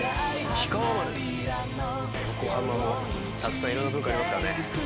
「氷川丸」、横浜もたくさんいろんな文化ありますからね。